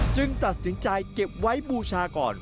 ตัดสินใจเก็บไว้บูชาก่อน